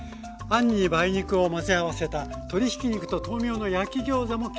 あんに梅肉を混ぜ合わせた鶏ひき肉と豆苗の焼きギョーザも掲載しています。